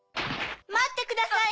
まってください！